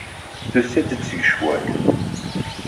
Tusa-d ad teg ccwal.